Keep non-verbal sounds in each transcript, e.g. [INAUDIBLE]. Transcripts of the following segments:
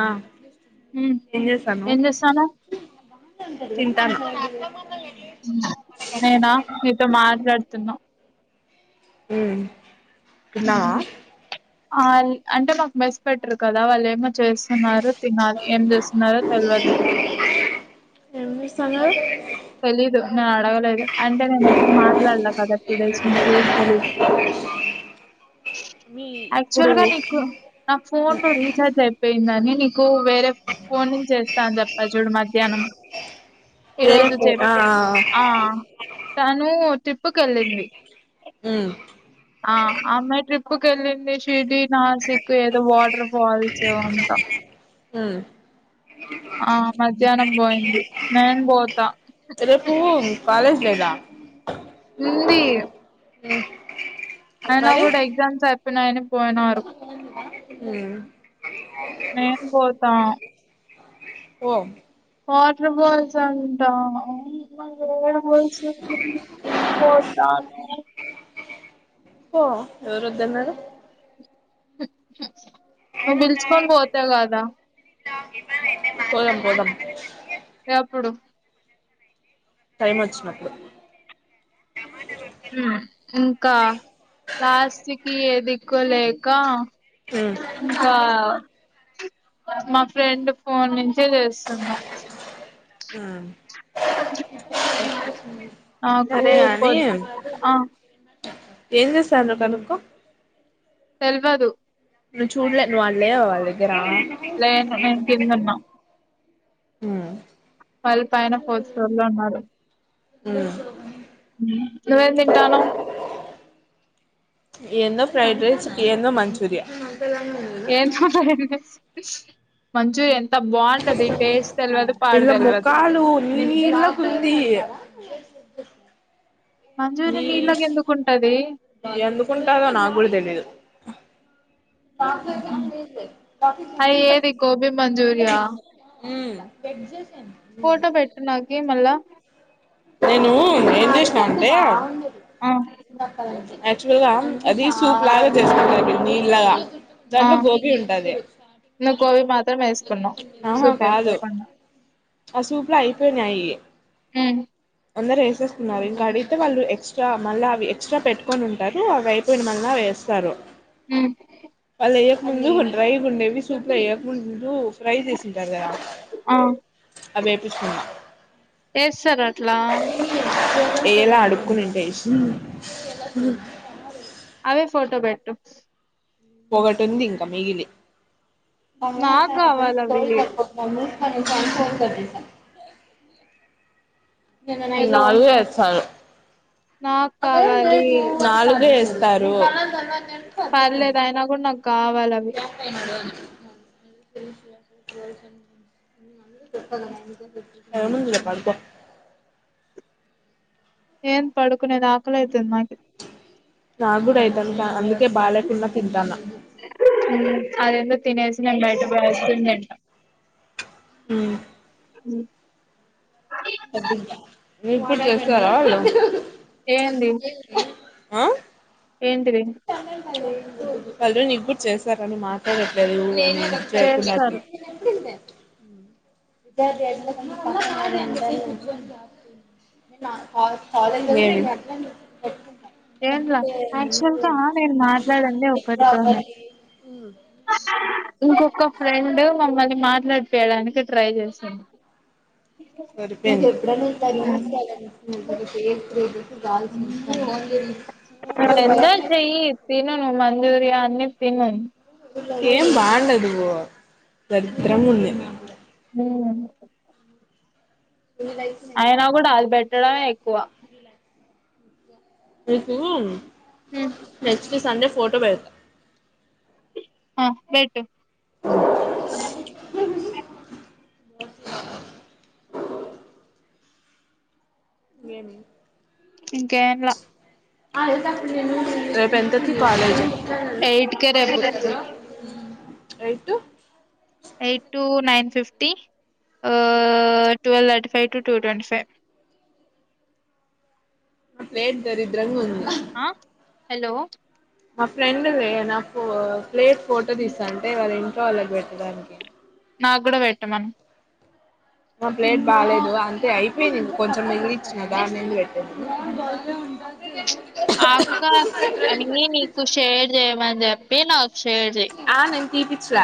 ఆ హ్మ్ ఏం ఏం చేస్తనవ్ తింటాన హ్మ్ నేనా నీతో మాట్లాడుతున్నా హ్మ్ తిన్నావా ఆ న్ అంటే మాకు మెస్ పెట్టరు కదా వాళ్ళు ఎమ్ చేస్తున్నారు తినాలి ఏం చేస్తున్నారో తెల్వదు స్తన్నారు తెలీదు నేను అడగలేదు అంటే నేను ఎక్కువ మాట్లాల్లె కదా టూ డేస్ నుంచి తెలీద్ మీ ఇప్పుడు యాక్చువల్ గా నీకు నా ఫోన్ రీచార్జ్ అయిపోయ్ దని నీకు వేరే ఫోన్ చేస్తాని చెప్పా చూడు మధ్యాహ్నం ఈ వేరే రోజు ఫోన్ చెప్ ఆ తాను ట్రిప్పుకు వెళ్ళింది హ్మ్ ఆ ఆమె ట్రిప్పు క వెళ్ళింది షరిడి నాసిక్ ఏదో వాటర్ ఫాల్స్ అంతా హ్మ్ ఆ మధ్యాహ్నం పోయింది నేను పోతా రేపు కాలేజ్ లేదా ఉంది మ్మ్ అయన మరి కూడా ఎగ్జామ్స్ అయి ఉన్నాయని పోయినారు ఉ నేను పోతా పో వాటర్ ఫాల్స్ అంటా ఏడ [UNINTELLIGIBLE] పోతాను పో ఎవరు వద్దన్నారు నువ్వు పిలుచుకొని పోతా కదా పోదం పోదం ఏప్పుడు టైం వచ్చినప్పుడు ఇంకా లాస్ట్ కి ఏది లేక మ్మ్ బా మా ఫ్రెండ్ ఫోన్ నుంచి చేస్తున్నాం ఆ ఆకూ సరే గాని పొద్ ఆ ఏం చేస్తారో కనుకో తెల్వదు నువ్వు చూలే నువ్ లేవా వాళ్ళ దగ్గర లేను నేను కింద ఉన్నా ఆ వాళ్ళ పైన ఫోర్త్ ఫ్లోర్ లో ఉన్నారు ఆ నువ్వేం తింటానవ్ ఏందో ఫ్రైడ్ రైస్ ఏందో మంచూరియ ఏం చూ మంజూరియన్ వీళ్ల తెల్వదు. ముఖాలు నీళ్లగా ఉంది న మంచూరియా నీళ్ళకెందుకుంటది? ఎందుకుంటాదో నాకు కూడా తెలీయదు ఆ హుహు. ఫ అది ఏది గోబీ మంచూరియా? పగజెట్ ఫోటో పెట్టు నాక మళ్ళా నేను ఏన్ చేసిన అంటే ఆ యాక్చువల్గా అది సూప్ లాగా చేసుకుంటారుక్కడ నీళ్లాగా ఆ ను కోబ మాత్రం వేసుకున్నాం ఆహా సూప్ వేసుకో కాదు ప ఆ సూపర్ అయిపోయినే అయ్యే హ అందరు వేసేస్తున్నారు ఇంకా అడిగితే వాళ్ళు ఎక్స్ట్రా మళ్ళీ అవి ఎక్స్ట్రా పెట్టుకొని ఉంటారు అవి అయిపోయిన మళ్ల వేస్తారు అ అయకము ముందు ఉండ్రయి గుండెవి సూపర్ అయ్యకముందు ఫ్రై చేసింటారుదద ఆ! అవేపుస్తున్నా ఎస్ సార్ ఇలా ఏలా అడుకునింటే అవే ఫోటో పెెట్ట ఒకటి ఉంది ఇంకా మిగిలి మమ నాకు అసే అ సై గావాలవి. జప్ప మమ అను చ ఫోన్ క స హలో! నాలుగుే వచ్చారు నాకు కావాలి. నాలుగుే తరు పర్లేదు ఆయన కూడా నాకు కావాలవి పక ఏమ్ పడుకునేది ఆకలైతుంది నాకు నా కూడా అయిత ఉంది అందు [UNINTELLIGIBLE] తినే నేన్ బైట పొయ్ ఐస్క్రీమ్ తింట. మ్. మ్. వద్దింక. మీగ్గుడ్ చేస్తారా వాళ్ళు. ఏంది అ. ఏంటిది. వళ్ళు నీగ్గూడ్ చేసారని మాట్లాడట్లేదు నేన్. చేస్తారు [UNINTELLIGIBLE] విద్యార్థి [UNINTELLIGIBLE] ఏమ్ల యాక్చువల్గా నేన్ మాట్లాడింది ఒక్కడితోనె కాలేజ్ ఇంకొక ఫ్రెండ్ మమ్మల్ని మాట్లాడిపియడానికి ట్రై జేస్తుంది. దొరికింది నీకెప్పుడన్నిట్ల రీల్స్ చేయాలనిపించిందనుకొ. [UNINTELLIGIBLE] గాల్సించ్ [UNINTELLIGIBLE] బాంటది. నువ్వెందా చెయ్య్ తినను మంజూర్య ఇంగేం తినం. ఏం బాలెదు. దరిద్రంగుంది. ఓ అయ్నా గూడాల్బట్ ళ్ళె ఎక్కువ. నికూ మ్. స్సు సండే ఫోటో బెడ్త. అ పెట్టు. ఏమి. ఇంక ఏమ్ల. [UNINTELLIGIBLE] రేపెంతకి కాలేజ్ ఉమ్. ఎయిట్ కే రేపు ఎయ్టు. ఎయ్టూ నైన్ ఫిఫ్టి ఓ twelve thirty five two two twenty five. Plate దరిద్రంగుంది. అ హెలో. మ ఫ్రెండ్ మె న ఫో ప్లేట్ ఫోటో దీస్తాంటె వాళ్ళింట్లో వాళ్ళక్ బెట్టడానికి. నాకు కూడా పెట్టమను నా ప్లేట్ బాలేదు. అంతే అయిపోయింది కొంచెం మిగిలిచ్చిన దాన్నేంది పెట్టేదని ఆ అక్క అని నీకు షేర్ చేయమని చెప్ ఏ నాక్ ఆ నిన్ తీపి చ్లా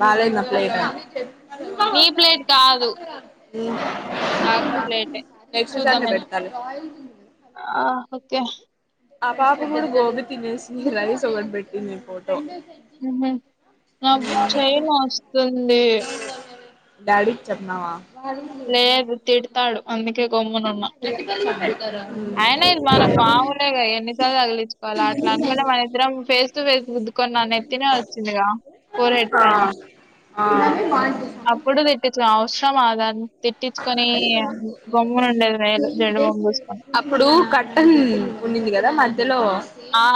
బాలేద్ నా ప్లేట్ అన్ నీ ప్లేట్ వస్తన్నాయిచ్చ కాదు ఇ ఆ ఆక ప్లేటె చూద్దమన్ పెడతాలే ఆ పాప కూడా గోబీ తినేసి రైస్ ఒకటి పెట్టింది పో ఏమే నాగుడ్ చేయ్ నొస్తుంది. డాడిక్ చెప్నావ లేదు తిడ్తాడు. అందుకే గమ్మున మ అయినా ఇది మనకు మాగులేగా ఎన్నిసార్లు తగిలిచుకోల. అట్ల అనుకుంటే మన ఇద్దరం ఫేస్ టు ఫేస్ గుద్దుకొన్ నా నెత్తిన వచ్చిందిగా ఫోర్ హెడ్ ఆ పైన. ఆ అప్పుడు తిట్టిచు అవసరమా తన్ తిట్టిచుకొనీ, గమ్మునుండేది మేలు జండు బాం పూసుకొని. టన్ ఉన్నింది కదా మధ్యలో ఆ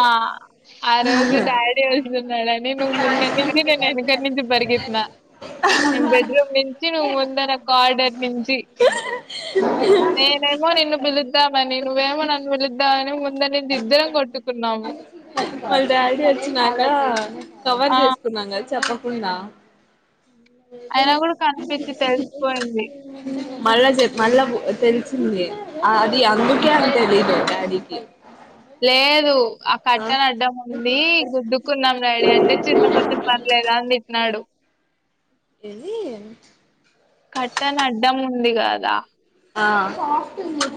ఆ రోజు డాడీ వస్తున్నాడని, నువ్వు ముంద నుంచి నేను వెనకడి నుంచి పరిగెత్తినా. నేను బెడ్రూమ్ నుంచి నువ్వు ముందర కార్డర్ నించి నేనేమో నిన్ను పిలుద్దామని, నువ్వేమో నన్ను పిలుద్దామని, ముందర్నుండి ఇద్దరం కొట్టుకున్నాము. వాళ్ళ డాడీ వచ్చినాక కవర్ ఆ చేసుకున్నాం కదా చెప ఉందా అయినా కుడి కనిపిచి తెలిసిపోయింది. మళ్ళా చె మళ్ళ తెల్సింది. అది అందుకే అని తెలీదు డాడీకి. లేదు ఆ కర్టన్ అడ్డం ఉంది గుద్దుకున్నాం డాడీ అంటే, చిన్న పొతే పనిలేదా అని తిట్న్నాడు. ఏది కర్టన్ అడ్డం ఉంది కదా ఆ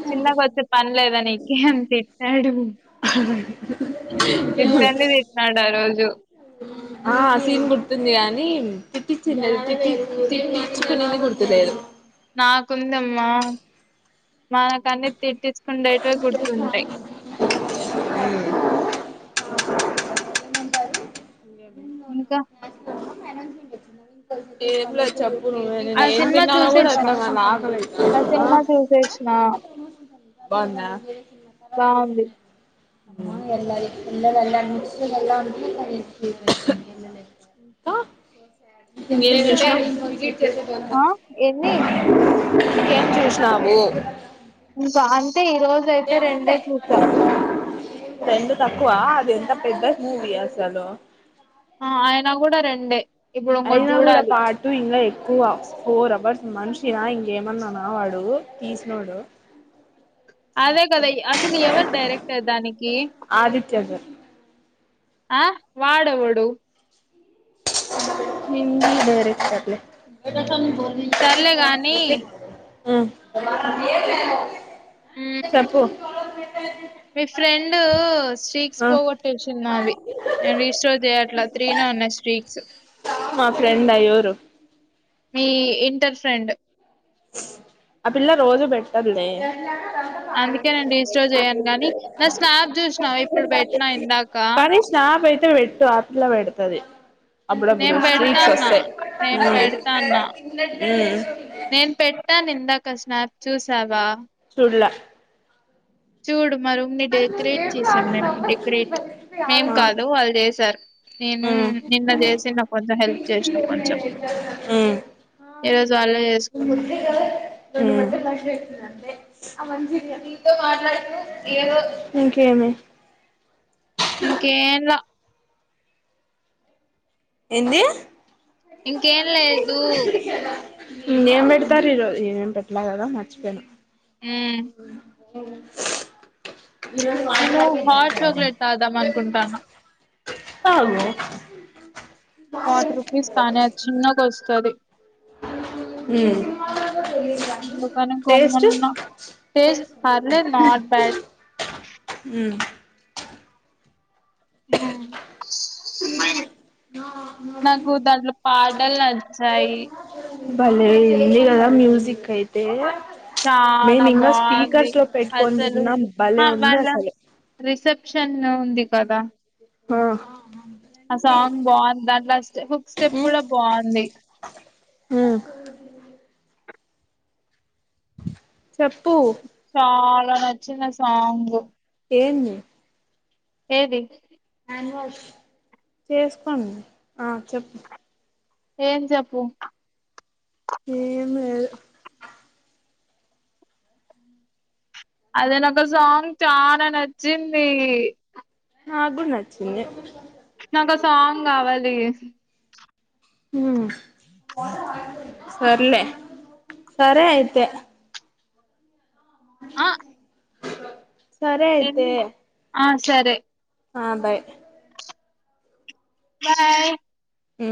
చిన్నగా వచ్చే పని లేదా నీకి అని తిట్టాడు ఇద్దరిని తిట్టినాడు ఆ రోజు ఆ సీన్ గుర్తుంది కానీ తిట్టిచిండేది తిట్టి తిట్టిచు కునేది గుర్తులేదు. నాకుందమ్మా మనకన్ని తిట్టించుకుండేట్వే గుర్తుంటయి ఇంకా అ ఎం లేద్ చెప్ నువ్వు మేలె నేన్ ఆ ఏం సినిమా తిన్నాలో కూడా చూసేసిన అర్దం గాల ఆకలి ఆ సినిమా అయితాంది చూసేసిన బాందా [UNINTELLIGIBLE] బాగుంది అమ్మ ఎల్లాలి [UNINTELLIGIBLE] [UNINTELLIGIBLE] ఆ ఎన్ని ఇంకేం చూసినావు ఇంకా అన్ అంతే ఈ రోజు అయితే రెండే చూసా రెండు తక్కువ అది ఎంత పెద్ద మూవీ అసలు ఆ ఆయన గుడా రెండే ఇప్పుడు ఇంకోటి అయినా గూడా చూడాలి పార్ట్ టూ ఇంగ ఎ క్కువ ఫోర్ అవర్స్ ఫోర్ అవర్స్ మనిషిన ఇంకేమన్నానా వాడు తీసినోడు అదే కదా అసలు ఎవరు డైరెక్టర్ దానికి కి త్య గ ఆ వాడెవడు హిందీ డైరెక్టర్ లె సర్లే [UNINTELLIGIBLE] ఉ గాని మ్ చెప్పు మీ ఫ్రెండూ స్ట్రిక్స్ ఆ పోగొట్టేసింది నావి నే రీస్టోర్ చేయ్యట్లా త్రీనే ఉన్నాయి స్ట్రీక్స్ సు మా ఫ్రెండా ఎవరు మీ ఇంటర్ ఫ్రెండ్ ఆ పిల్ల రోజూ పెట్టదులే అందుకే నేను రీస్టోర్ చేయను గానీ నా స్నాప్ చూసినావా ఇప్పుడు పెట్టినా ఇందాక కానీ స్నాబ్ అట్లె వెట్టు ఆ పిల్ల వెడతాది అబ్బుడబ్బుడు నేను స్ట్రీట్స్ పెడతాన్నా వస్తయ్ నేను ఉ పెడతాన్నా ఊ ట్టాను ఇందాక స్నాప్ చూసావా చూడలా చూడు మా రూమ్ ని డెకరేట్ చేసాను మే డెకరేట్ మేం కాదు వాళ్ళు జేశారు నేను మ్మ్ నిన్న జేసిన కొంచెం హెల్ప్ చేసిన కొంచెం మ్మ్ ఈ రోజు వాళ్ళే చేసుకున్నారూ ఇంకేమి ఇంకేర్లా ఎంది. ఇంకేం లేదు. ఏం పెడతారు ఈ రోజూ ఏం పెట్లా కదా మర్చిపోయిన హ్మ్ భోజనం [UNINTELLIGIBLE] నేను హాట్ చాక్లెట్ తాగుదాం అనుకుంటాన్న తాగు ఫార్టీ రుపీస్ కానీ అది చిన్నదోస్తది. ఉమ్మ్ అందుకని టేస్ట్ గమ్మునున్న టేస్ట్ పర్లేదు నాట్ బ్యాడ్. మ్మ్ [INAUDIBLE] నాకు దాంట్లో పాటల్ నచ్చాయి. భలే ఉంది కదా మ్యూజిక్ అయితే చాలా మేము ఇంకా బాగుంది స్పీకర్స్ లో పెట్టుకొని అసలు విన్నాం భలే హా ఉంది వాళ్ళ అసలు రిసెప్షన్ ఉంది. కదా ఆ ఆ సాంగ్ బాగుంది దాంట్లో ఆ స్టెప్ హుక్ స్టెప్ కూడా బాగుంది. ఉమ్ చెప్పు నచ్చిందా సాంగ్ ఏంది. ఏది [UNINTELLIGIBLE] చేసుకోండి ఆ చెప్పు ఏం చెప్పు ఏం లేదు. అదే నాకా సాంగ్ చాలా నచ్చింది. నాక్కూడా నచ్చింది. నాకా సాంగ్ కావాలి. మ్మ్ సర్లే సరే అయితే ఆ [INAUDIBLE] [INAUDIBLE] సరే అయితే ఎన్ని ఆ సరే ఆ బాయ్ బాయ్ మ్.